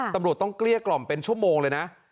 ตำรวจต้องเกลี้ยกล่อมเป็นชั่วโมงเลยนะ